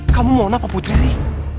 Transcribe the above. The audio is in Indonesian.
kamu mona apa putri sih